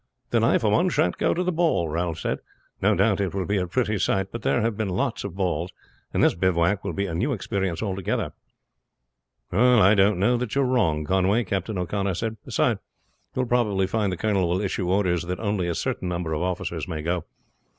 "Then I for one shan't go to the ball," Ralph said. "No doubt it will be a pretty sight; but there have been lots of balls, and this bivouac will be a new experience altogether." "I don't know that you are wrong, Conway," Captain O'Connor said. "Beside, you will probably find the colonel will issue orders that only a certain number of officers may go.